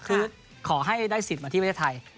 คือขอให้ได้สิทธิ์มาที่ประเทศไทย